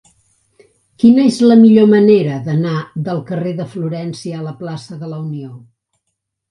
Quina és la millor manera d'anar del carrer de Florència a la plaça de la Unió?